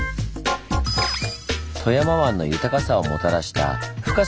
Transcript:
富山湾の豊かさをもたらした深さ以外の理由。